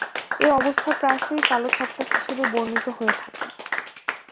এই অবস্থা প্রায়শই কালো ছত্রাক হিসেবে বর্ণিত হয়ে থাকে।